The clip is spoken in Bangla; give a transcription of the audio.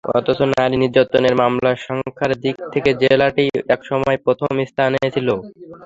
অথচ নারী নির্যাতনের মামলার সংখ্যার দিক থেকে জেলাটি একসময় প্রথম স্থানে ছিল।